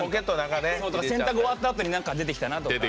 洗濯終わったあとに出てきたなとか。